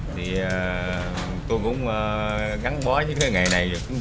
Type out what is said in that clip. thì tôi cũng gắn bó với cái nghề này